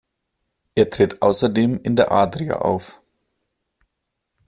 Er tritt außerdem in der Adria auf.